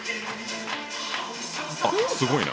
あすごいな。